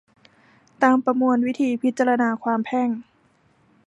ตาม ประมวลวิธีพิจารณาความแพ่ง